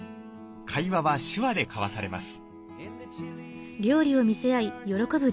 会話は手話で交わされます。